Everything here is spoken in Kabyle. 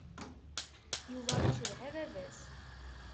Yuba icedha baba-s.